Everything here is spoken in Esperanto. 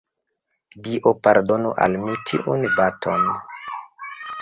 Dio pardonu al mi tiun baton!